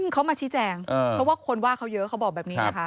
เขามาชี้แจงเพราะว่าคนว่าเขาเยอะเขาบอกแบบนี้นะคะ